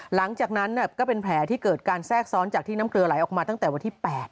หลังจากนั้นก็เป็นแผลที่เกิดการแทรกซ้อนจากที่น้ำเกลือไหลออกมาตั้งแต่วันที่๘